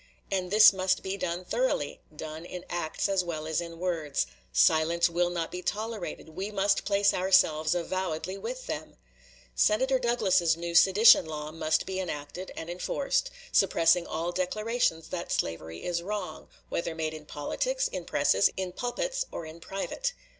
And this must be done thoroughly done in acts as well as in words. Silence will not be tolerated; we must place ourselves avowedly with them. Senator Douglas's new sedition law must be enacted and enforced, suppressing all declarations that slavery is wrong, whether made in politics, in presses, in pulpits, or in private.